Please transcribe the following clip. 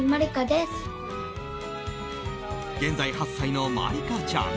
現在８歳の茉莉花ちゃん。